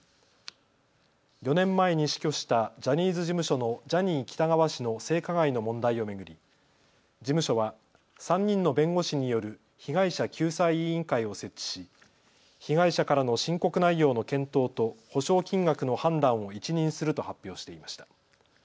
４年前に死去したジャニーズ事務所のジャニー喜多川氏の性加害の問題を巡り事務所は３人の弁護士による被害者救済委員会を設置し被害者からの申告内容の検討と補償金額の判断を一任すると発表していました。